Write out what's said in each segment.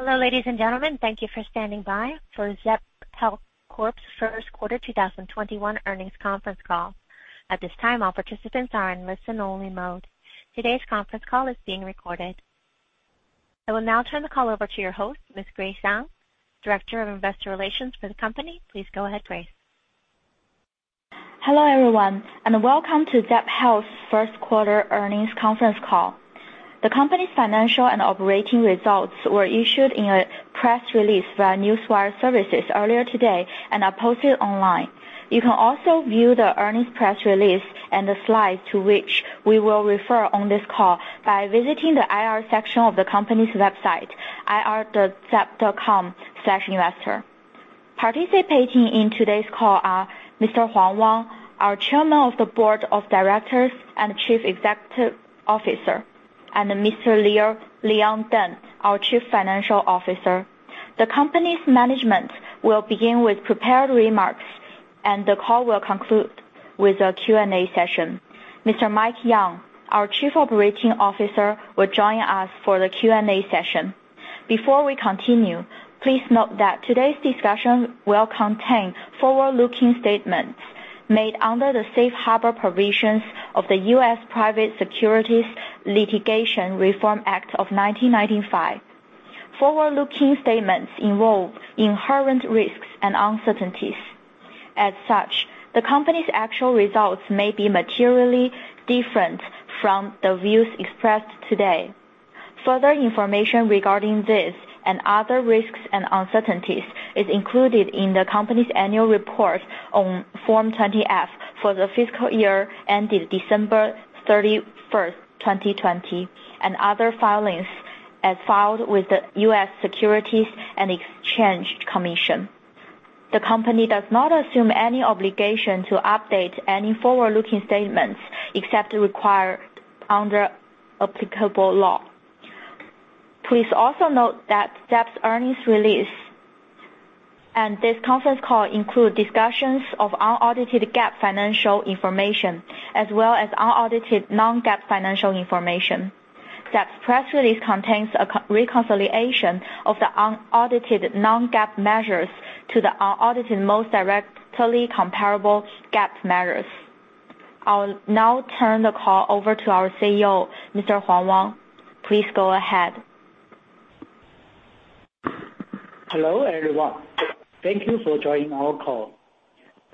Hello, ladies and gentlemen. Thank you for standing by for Zepp Health Corporation's Q1 2021 earnings conference call. At this time, all participants are in listen-only mode. Today's conference call is being recorded. I will now turn the call over to your host, Ms. Grace Zhang, Director of Investor Relations for the company. Please go ahead, Grace. Hello, everyone, and welcome to Zepp Health's Q1 earnings conference call. The company's financial and operating results were issued in a press release via Newswire Services earlier today and are posted online. You can also view the earnings press release and the slides to which we will refer on this call by visiting the IR section of the company's website, ir.zepp.com/investor. Participating in today's call are Mr. Wang Huang, our Chairman of the Board of Directors and Chief Executive Officer, and Mr. Leon Cheng Deng, our Chief Financial Officer. The company's management will begin with prepared remarks, and the call will conclude with a Q&A session. Mr. Mike Yan Yeung, our Chief Operating Officer, will join us for the Q&A session. Before we continue, please note that today's discussion will contain forward-looking statements made under the Safe Harbor provisions of the U.S. Private Securities Litigation Reform Act of 1995. Forward-looking statements involve inherent risks and uncertainties. As such, the company's actual results may be materially different from the views expressed today. Further information regarding this and other risks and uncertainties is included in the company's annual report on Form 20-F for the fiscal year ended December 31st, 2020, and other filings as filed with the U.S. Securities and Exchange Commission. The company does not assume any obligation to update any forward-looking statements, except as required under applicable law. Please also note that Zepp's earnings release and this conference call include discussions of unaudited GAAP financial information, as well as unaudited non-GAAP financial information. Zepp's press release contains a reconciliation of the unaudited non-GAAP measures to the unaudited most directly comparable GAAP measures. I'll now turn the call over to our CEO, Mr. Huang Wang. Please go ahead. Hello, everyone. Thank you for joining our call.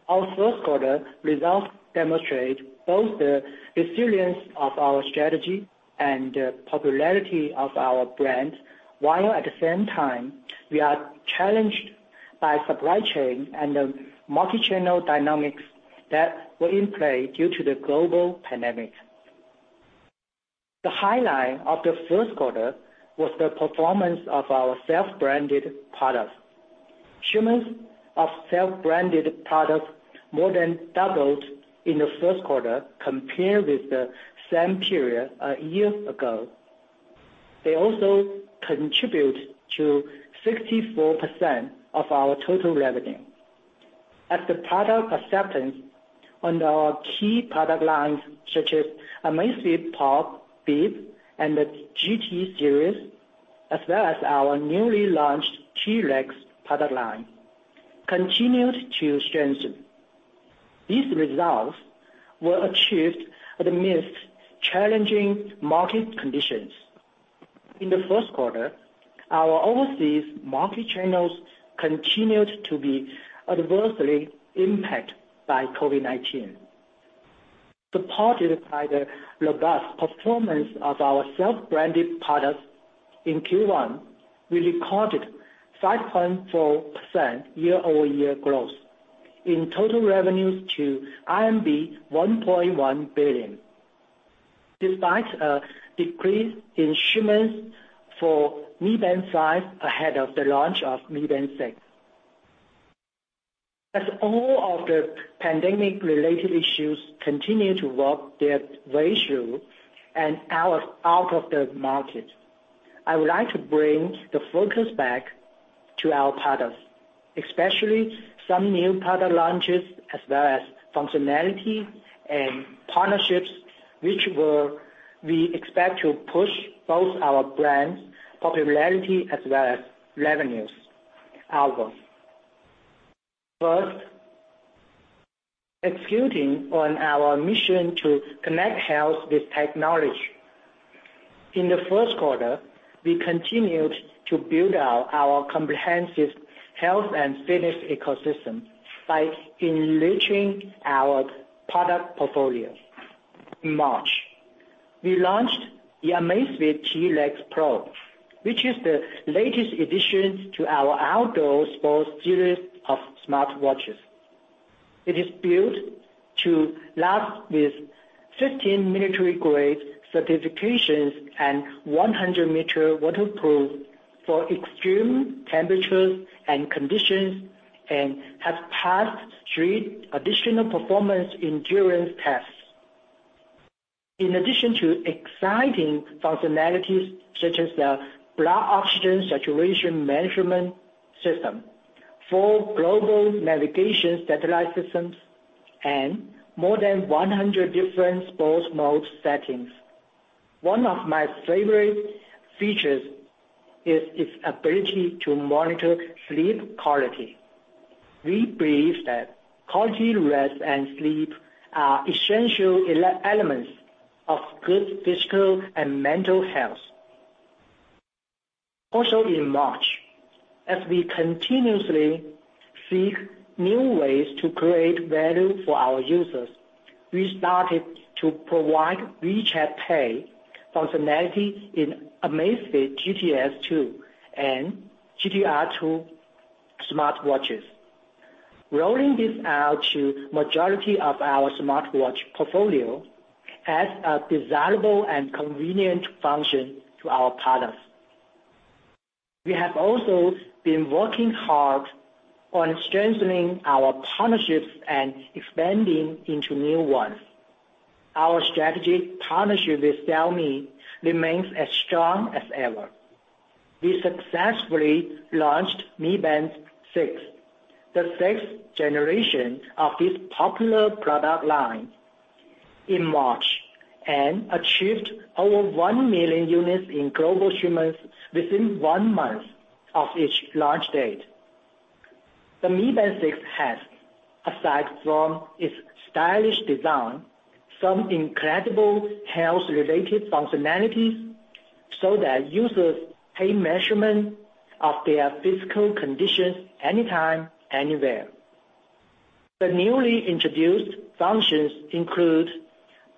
Our Q1 results demonstrate both the resilience of our strategy and the popularity of our brands, while at the same time, we are challenged by supply chain and the multi-channel dynamics that were in play due to the global pandemic. The highlight of the Q1 was the performance of our self-branded products. Shipments of self-branded products more than doubled in the Q1 compared with the same period a year ago. They also contribute to 64% of our total revenue. As the product acceptance on our key product lines, such as Amazfit Pop, Bip, and the GTS series, as well as our newly launched T-Rex product line, continued to strengthen. These results were achieved amidst challenging market conditions. In the Q1, our overseas market channels continued to be adversely impact by COVID-19. Supported by the robust performance of our self-branded products in Q1, we recorded 5.4% year-over-year growth in total revenues to 1.1 billion, despite a decrease in shipments for Mi Smart Band 5 ahead of the launch of Mi Smart Band 6. As all of the pandemic-related issues continue to work their way through and out of the market, I would like to bring the focus back to our products, especially some new product launches, as well as functionality and partnerships, which we expect to push both our brand's popularity as well as revenues onward. First, executing on our mission to connect health with technology. In the Q1, we continued to build out our comprehensive health and fitness ecosystem by enriching our product portfolio. In March, we launched the Amazfit T-Rex Pro, which is the latest addition to our outdoor sports series of smartwatches. It is built to last with 15 military-grade certifications and 100-meter waterproof for extreme temperatures and conditions and has passed three additional performance endurance tests. In addition to exciting functionalities such as the blood oxygen saturation management system, four global navigation satellite systems, and more than 100 different sports mode settings. One of my favorite features is its ability to monitor sleep quality. We believe that quality rest and sleep are essential elements of good physical and mental health. Also in March, as we continuously seek new ways to create value for our users, we started to provide WeChat Pay functionality in Amazfit GTS 2 and GTR 2 smartwatches. Rolling this out to majority of our smartwatch portfolio adds a desirable and convenient function to our products. We have also been working hard on strengthening our partnerships and expanding into new ones. Our strategic partnership with Xiaomi remains as strong as ever. We successfully launched Mi Band 6, the sixth generation of this popular product line, in March, and achieved over 1 million units in global shipments within one month of its launch date. The Mi Band 6 has, aside from its stylish design, some incredible health-related functionalities, so that users take measurement of their physical conditions anytime, anywhere. The newly introduced functions include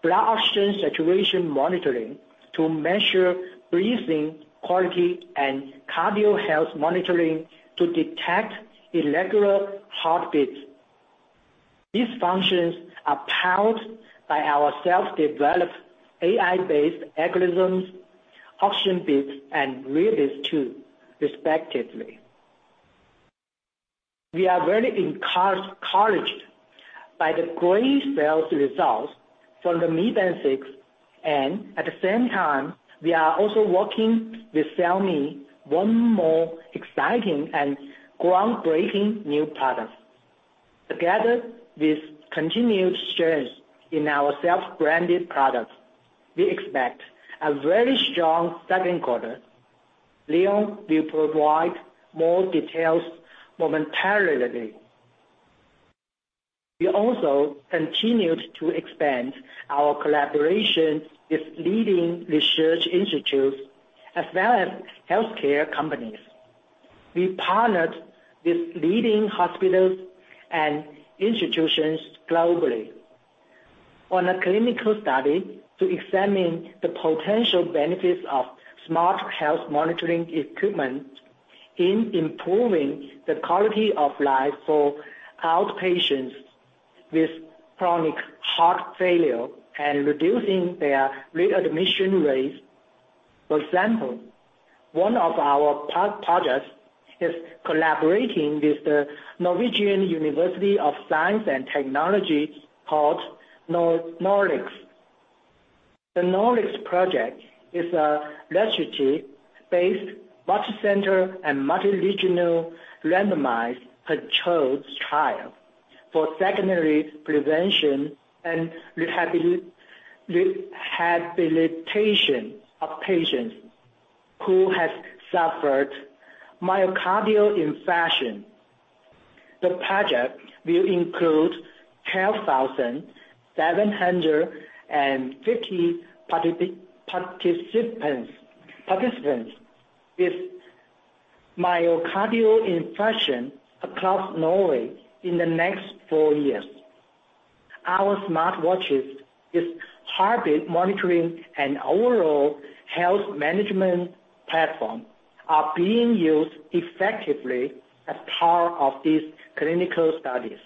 blood oxygen saturation monitoring to measure breathing quality and cardio health monitoring to detect irregular heartbeats. These functions are powered by our self-developed AI-based algorithms, OxygenBeats and TrueBeats 2.0, respectively. We are very encouraged by the great sales results from the Mi Band 6. At the same time, we are also working with Xiaomi one more exciting and groundbreaking new product. Together with continued strength in our self-branded products, we expect a very strong Q2. Leon will provide more details momentarily. We also continued to expand our collaboration with leading research institutes as well as healthcare companies. We partnered with leading hospitals and institutions globally on a clinical study to examine the potential benefits of smart health monitoring equipment in improving the quality of life for outpatients with chronic heart failure and reducing their readmission rates. For example, one of our projects is collaborating with the Norwegian University of Science and Technology called NOR-ICCS. The NOR-ICCS project is a registry-based, multi-center and multi-regional randomized controlled trial for secondary prevention and rehabilitation of patients who have suffered myocardial infarction. The project will include 12,750 participants with myocardial infarction across Norway in the next four years. Our smartwatches with heartbeat monitoring and overall health management platform are being used effectively as part of these clinical studies.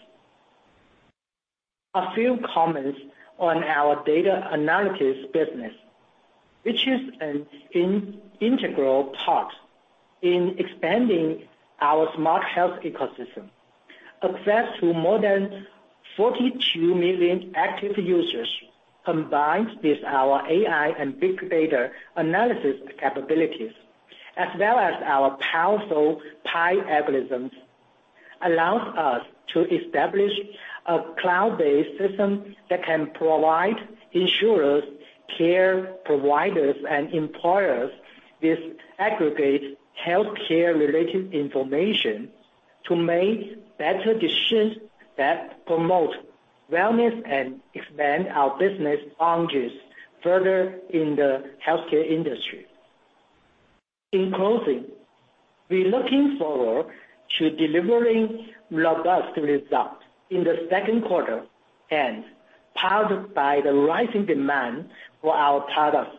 A few comments on our data analytics business, which is an integral part in expanding our smart health ecosystem. Access to more than 42 million active users, combined with our AI and big data analysis capabilities, as well as our powerful AI algorithms, allows us to establish a cloud-based system that can provide insurers, care providers, and employers with aggregate healthcare-related information to make better decisions that promote wellness and expand our business boundaries further in the healthcare industry. In closing, we're looking forward to delivering robust results in the Q2, and powered by the rising demand for our products,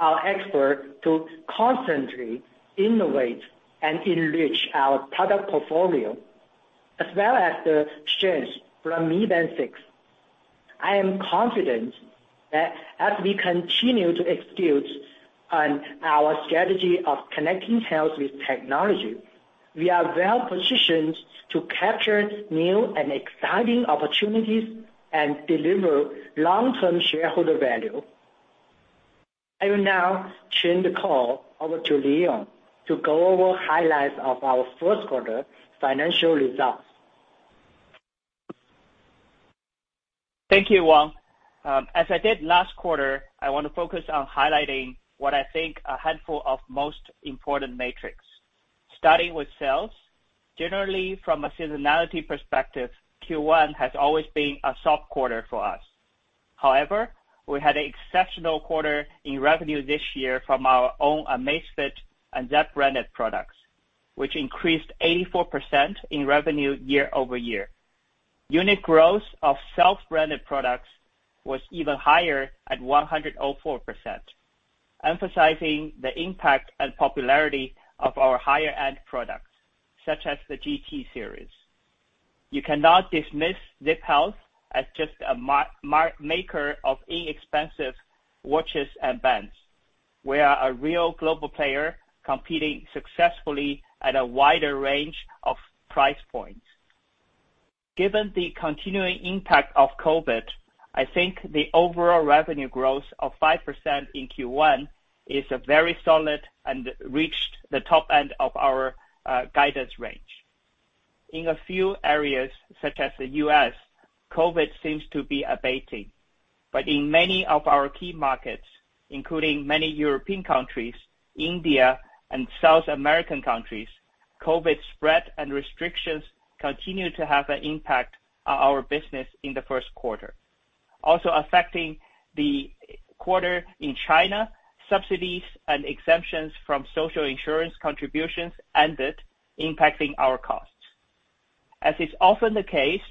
our effort to constantly innovate and enrich our product portfolio, as well as the strength from Mi Smart Band 6. I am confident that as we continue to execute on our strategy of connecting health with technology, we are well-positioned to capture new and exciting opportunities and deliver long-term shareholder value. I will now turn the call over to Leon to go over highlights of our Q1 financial results. Thank you, Wang. As I did last quarter, I want to focus on highlighting what I think a handful of most important metrics. Starting with sales. Generally, from a seasonality perspective, Q1 has always been a soft quarter for us. However, we had an exceptional quarter in revenue this year from our own Amazfit and Zepp-branded products, which increased 84% in revenue year-over-year. Unit growth of self-branded products was even higher at 104%, emphasizing the impact and popularity of our higher-end products, such as the GT series. You cannot dismiss Zepp Health as just a maker of inexpensive watches and bands. We are a real global player, competing successfully at a wider range of price points. Given the continuing impact of COVID, I think the overall revenue growth of 5% in Q1 is very solid and reached the top end of our guidance range. In a few areas, such as the U.S., COVID seems to be abating. In many of our key markets, including many European countries, India, and South American countries, COVID spread and restrictions continued to have an impact on our business in the Q1. Also affecting the quarter in China, subsidies and exemptions from social insurance contributions ended, impacting our costs. As is often the case,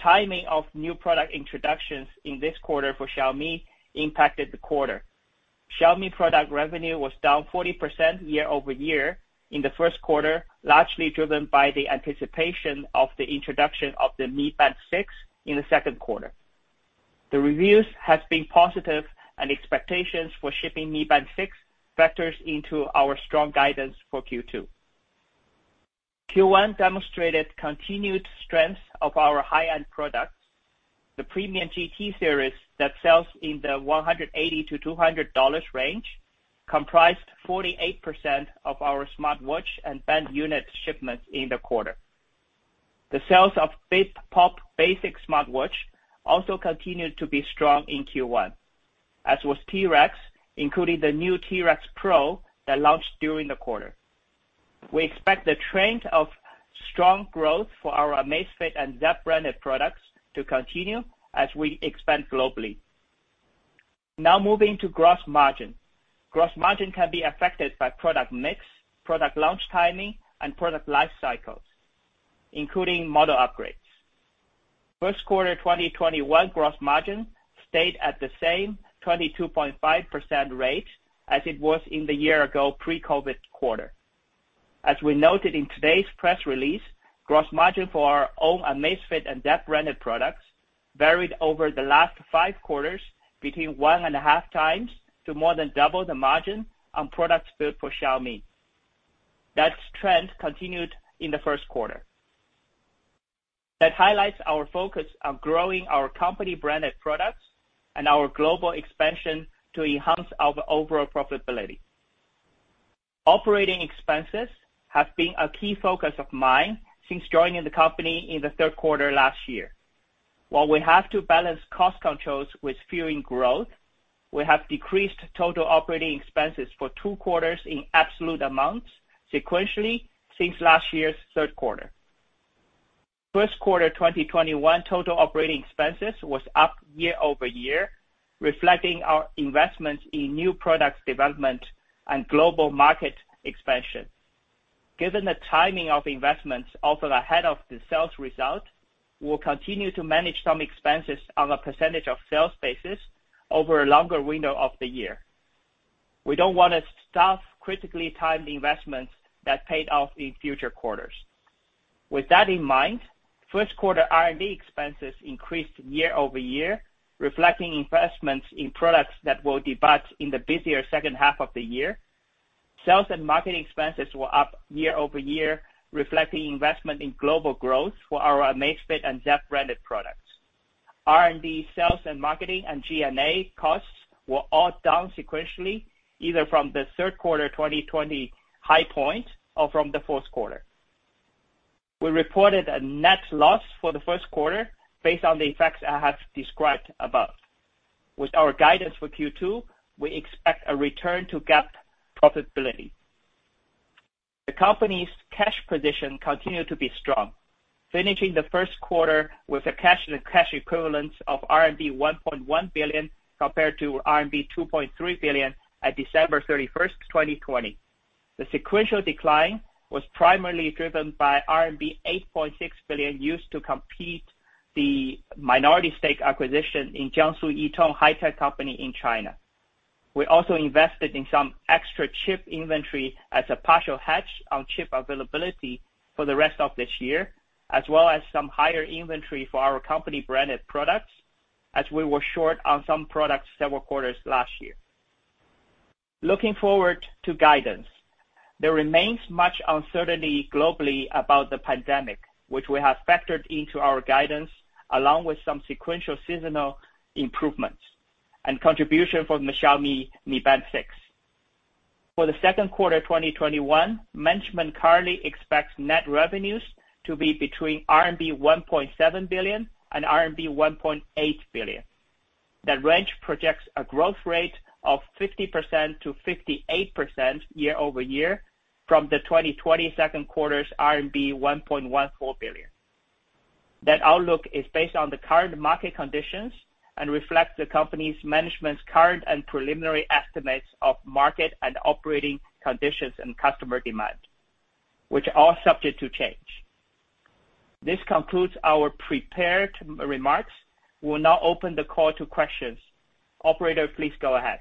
timing of new product introductions in this quarter for Xiaomi impacted the quarter. Xiaomi product revenue was down 40% year-over-year in the Q1, largely driven by the anticipation of the introduction of the Mi Band 6 in the Q2. The reviews have been positive, expectations for shipping Mi Band 6 factors into our strong guidance for Q2. Q1 demonstrated continued strength of our high-end products. The premium GT series that sells in the $180-$200 range comprised 48% of our smartwatch and band unit shipments in the quarter. The sales of Amazfit Pop basic smartwatch also continued to be strong in Q1, as was T-Rex, including the new T-Rex Pro that launched during the quarter. We expect the trend of strong growth for our Amazfit and Zepp-branded products to continue as we expand globally. Now moving to Gross Margin. Gross Margin can be affected by product mix, product launch timing, and product life cycles, including model upgrades. Q1 2021 Gross Margin stayed at the same 22.5% rate as it was in the year-ago pre-COVID-19 quarter. As we noted in today's press release, gross margin for our own Amazfit and Zepp-branded products varied over the last 5 quarters between one and a half times to more than double the margin on products built for Xiaomi. That trend continued in the Q1. That highlights our focus on growing our company-branded products and our global expansion to enhance our overall profitability. Operating expenses have been a key focus of mine since joining the company in the third quarter last year. While we have to balance cost controls with fueling growth, we have decreased total operating expenses for two quarters in absolute amounts sequentially since last year's third quarter. Q1 2021 total operating expenses was up year-over-year, reflecting our investment in new product development and global market expansion. Given the timing of investments often ahead of the sales result, we'll continue to manage some expenses on a percentage of sales basis over a longer window of the year. We don't want to stop critically timed investments that paid off in future quarters. With that in mind, Q1 R&D expenses increased year-over-year, reflecting investments in products that will debut in the busier second half of the year. Sales and marketing expenses were up year-over-year, reflecting investment in global growth for our Amazfit and Zepp-branded products. R&D, sales and marketing, and G&A costs were all down sequentially, either from the third quarter 2020 high point or from the fourth quarter. We reported a net loss for the Q1 based on the effects I have described above. With our guidance for Q2, we expect a return to GAAP profitability. The company's cash position continued to be strong, finishing the Q1 with a cash and cash equivalent of RMB 1.1 billion, compared to RMB 2.3 billion at December 31st, 2020. The sequential decline was primarily driven by RMB 8.6 billion used to complete the minority stake acquisition in Jiangsu Yitong High-Tech Co., Ltd. in China. We also invested in some extra chip inventory as a partial hedge on chip availability for the rest of this year, as well as some higher inventory for our company-branded products, as we were short on some products several quarters last year. Looking forward to guidance. There remains much uncertainty globally about the pandemic, which we have factored into our guidance, along with some sequential seasonal improvements and contribution from Xiaomi Mi Band 6. For the Q2 of 2021, management currently expects net revenues to be between RMB 1.7 billion and RMB 1.8 billion. That range projects a growth rate of 50%-58% year-over-year from the 2020 Q2's RMB 1.14 billion. That outlook is based on the current market conditions and reflects the company's management's current and preliminary estimates of market and operating conditions and customer demand, which are subject to change. This concludes our prepared remarks. We will now open the call to questions. Operator, please go ahead.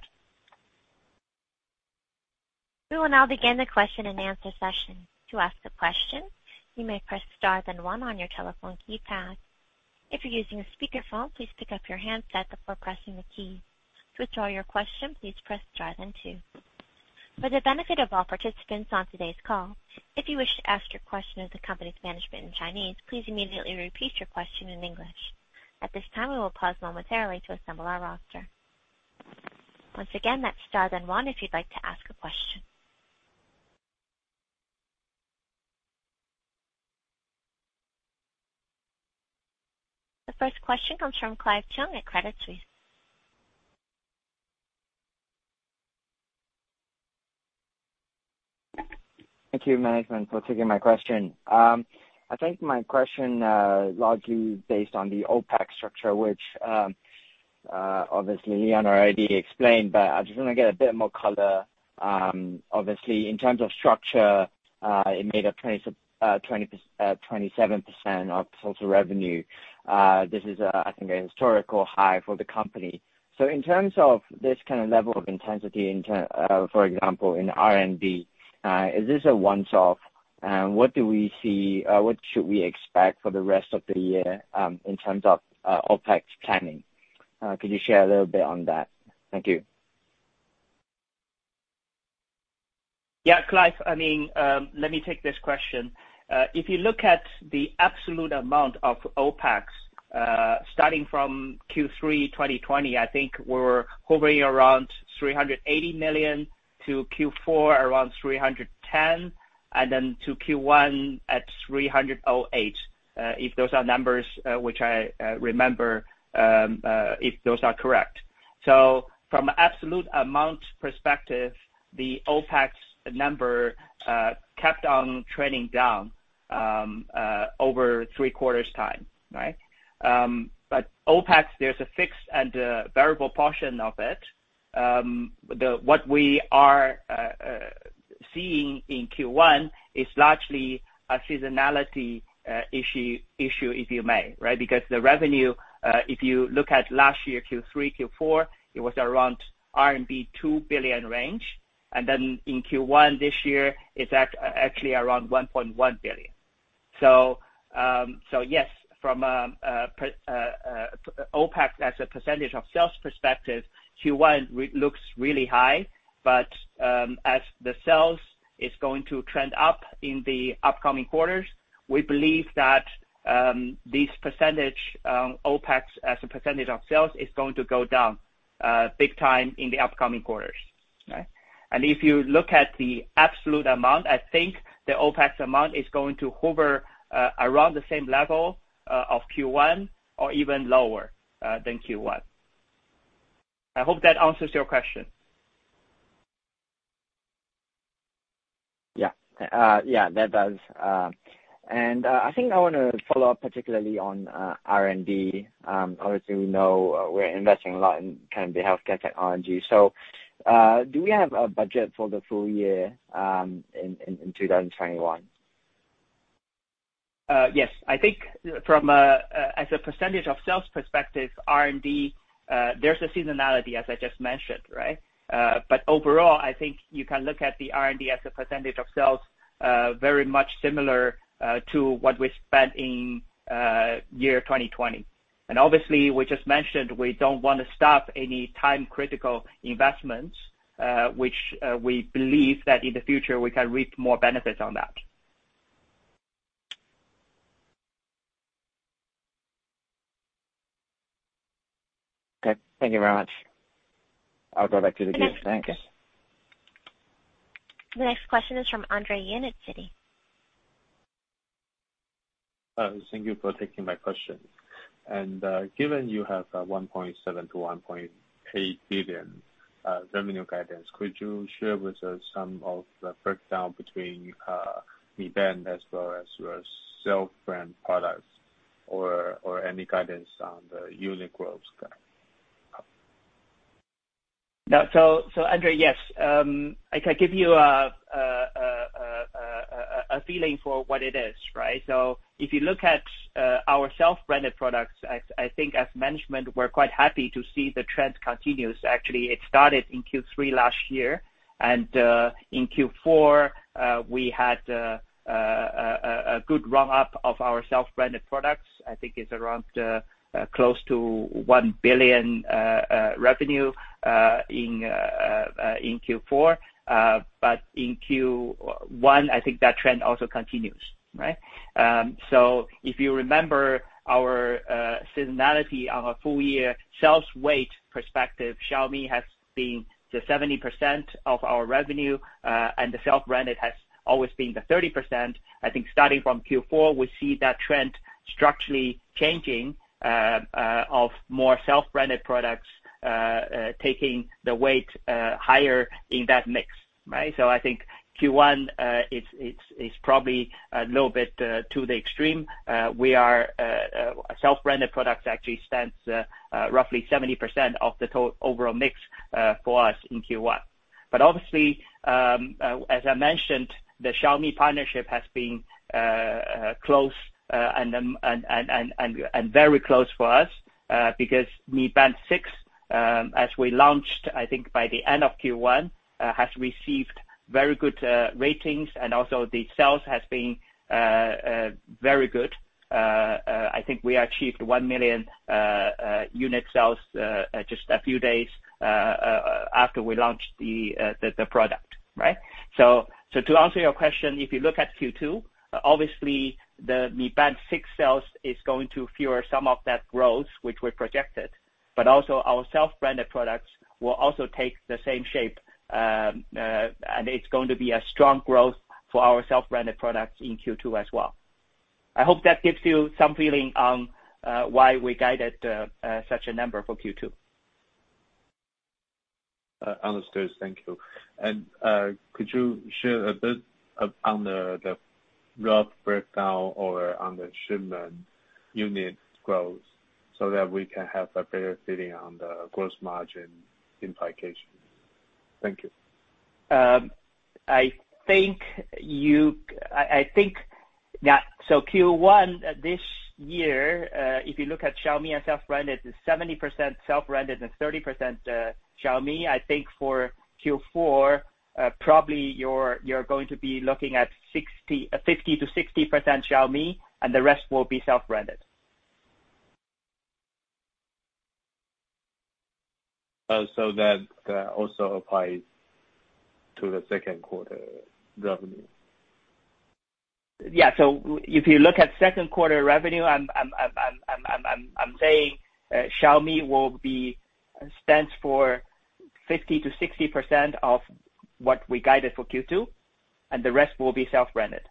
The first question comes from Clive Cheung at Credit Suisse. Thank you, management, for taking my question. I think my question largely based on the OpEx structure, which, obviously Leon already explained, but I just want to get a bit more color. Obviously, in terms of structure, it made up 27% of total revenue. This is, I think, a historical high for the company. In terms of this kind of level of intensity, for example, in R&D, is this a one-off? What should we expect for the rest of the year in terms of OpEx planning? Could you share a little bit on that? Thank you. Clive, let me take this question. If you look at the absolute amount of OpEx, starting from Q3 2020, I think we were hovering around $380 million to Q4 around $310 million, to Q1 at $308 million, if those are numbers which I remember, if those are correct. From absolute amount perspective, the OpEx number kept on trending down over three quarters' time. OpEx, there's a fixed and a variable portion of it. What we are seeing in Q1 is largely a seasonality issue if you may. The revenue, if you look at last year, Q3, Q4, it was around RMB 2 billion range. In Q1 this year, it's actually around 1.1 billion. Yes, from OpEx as a % of sales perspective, Q1 looks really high. As the sales is going to trend up in the upcoming quarters, we believe that this percentage, OpEx as a percentage of sales, is going to go down big time in the upcoming quarters. If you look at the absolute amount, I think the OpEx amount is going to hover around the same level of Q1 or even lower than Q1. I hope that answers your question. Yeah, that does. I think I want to follow up particularly on R&D. Obviously, we know we're investing a lot in the healthcare technology. Do we have a budget for the full year in 2021? Yes, I think as a % of sales perspective, R&D, there's a seasonality, as I just mentioned. Overall, I think you can look at the R&D as a % of sales very much similar to what we spent in year 2020. Obviously, we just mentioned we don't want to stop any time-critical investments, which we believe that in the future, we can reap more benefits on that. Okay. Thank you very much. I'll go back to the queue. Thanks. The next question is from Andre Yan at Citi. Thank you for taking my question. Given you have 1.7 billion to 1.8 billion revenue guidance, could you share with us some of the breakdown between Mi Band as well as your self-brand products, or any guidance on the unit growth guide? Andre, yes. I can give you a feeling for what it is, right? If you look at our self-branded products, I think as management, we're quite happy to see the trend continues. Actually, it started in Q3 last year, and in Q4, we had a good run-up of our self-branded products. I think it's around close to 1 billion revenue in Q4. In Q1, I think that trend also continues, right? If you remember our seasonality on a full year sales weight perspective, Xiaomi has been to 70% of our revenue, and the self-branded has always been the 30%. I think starting from Q4, we see that trend structurally changing of more self-branded products taking the weight higher in that mix. Right? I think Q1 is probably a little bit to the extreme. Self-branded products actually stands roughly 70% of the total overall mix for us in Q1. Obviously, as I mentioned, the Xiaomi partnership has been close and very close for us, because Mi Band 6, as we launched, I think by the end of Q1, has received very good ratings and also the sales has been very good. I think we achieved 1 million unit sales just a few days after we launched the product, right? To answer your question, if you look at Q2, obviously the Mi Band 6 sales is going to fuel some of that growth which we projected. Also our self-branded products will also take the same shape, and it's going to be a strong growth for our self-branded products in Q2 as well. I hope that gives you some feeling on why we guided such a number for Q2. Understood. Thank you. Could you share a bit on the rough breakdown or on the shipment unit growth so that we can have a better feeling on the gross margin implication? Thank you. Q1 this year, if you look at Xiaomi and self-branded, it's 70% self-branded and 30% Xiaomi. I think for Q4, probably you're going to be looking at 50%-60% Xiaomi, and the rest will be self-branded. That also applies to the Q2 revenue? If you look at Q2 revenue, I'm saying Xiaomi will be stands for 50%-60% of what we guided for Q2, and the rest will be self-branded.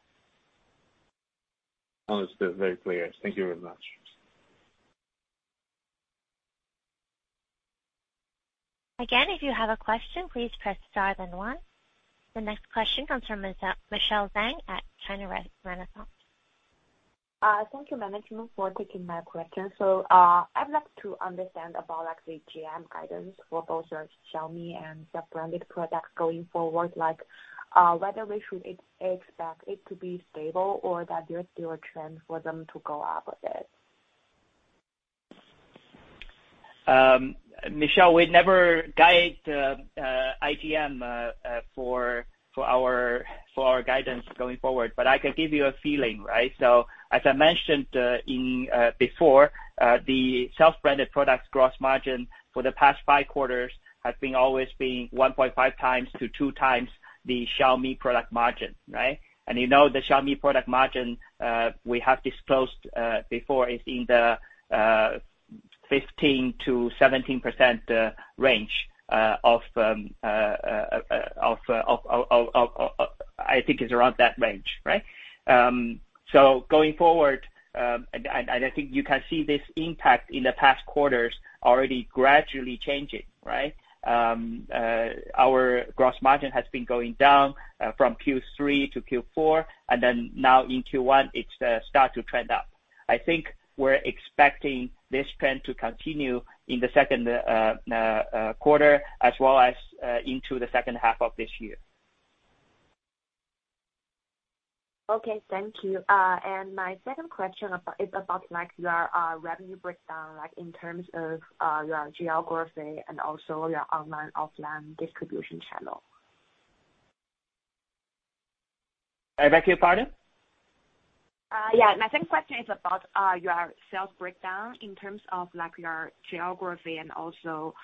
Understood. Very clear. Thank you very much. Again, if you have a question, please press Star then One. The next question comes from Michelle Zhang at China Renaissance. Thank you, management, for taking my question. I'd like to understand about the GM guidance for both your Xiaomi and self-branded products going forward, like whether we should expect it to be stable or that there's still a trend for them to go up a bit? Michelle, we never guide GM for our guidance going forward. I can give you a feeling, right? As I mentioned before, the self-branded products gross margin for the past five quarters has been always been 1.5X to 2x the Xiaomi product margin, right? You know the Xiaomi product margin, we have disclosed before, is in the 15%-17% range. I think it's around that range, right? Going forward, I think you can see this impact in the past quarters already gradually changing, right? Our gross margin has been going down from Q3 to Q4, and then now in Q1, it start to trend up. I think we're expecting this trend to continue in the Q2 as well as into the second half of this year. Okay, thank you. My second question is about your revenue breakdown, in terms of your geography and also your online/offline distribution channel. I beg your pardon? Yeah. My second question is about your sales breakdown in terms of your geography and also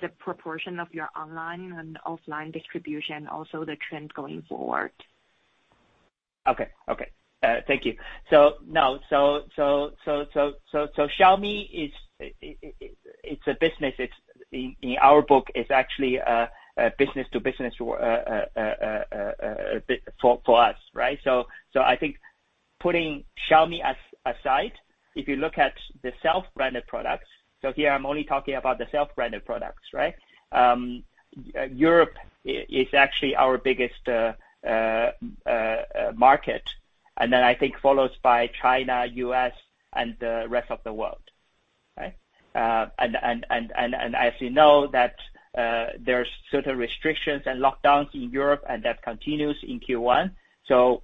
the proportion of your online and offline distribution, also the trend going forward. Okay. Thank you. Xiaomi, in our book, it's actually a business to business for us, right? I think putting Xiaomi aside, if you look at the self-branded products, here I'm only talking about the self-branded products, right? Europe is actually our biggest market. Then I think followed by China, U.S., and the rest of the world. As you know, that there's certain restrictions and lockdowns in Europe, and that continues in Q1.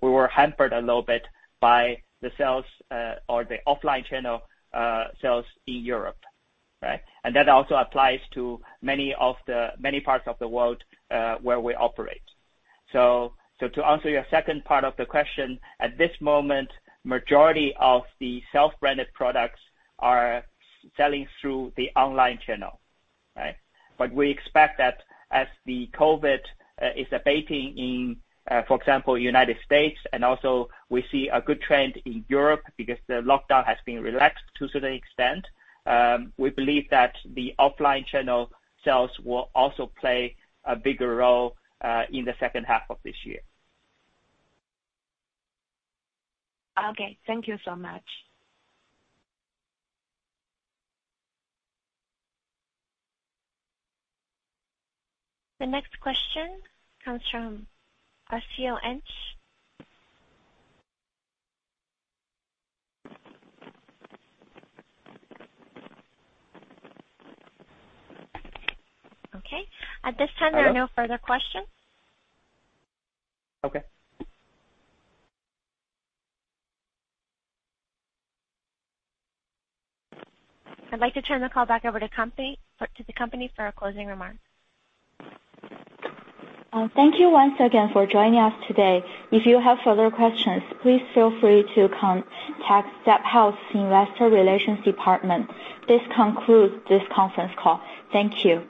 We were hampered a little bit by the sales or the offline channel sales in Europe. That also applies to many parts of the world where we operate. To answer your second part of the question, at this moment, majority of the self-branded products are selling through the online channel. We expect that as the COVID is abating in, for example, United States, and also we see a good trend in Europe because the lockdown has been relaxed to a certain extent. We believe that the offline channel sales will also play a bigger role in the second half of this year. Okay. Thank you so much. The next question comes from RCO Ench. Okay. At this time, there are no further questions. Okay. I'd like to turn the call back over to the company for our closing remarks. Thank you once again for joining us today. If you have further questions, please feel free to contact Zepp Health investor relations department. This concludes this conference call. Thank you.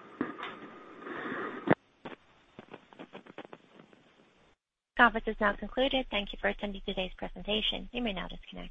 Conference is now concluded. Thank you for attending today's presentation. You may now disconnect.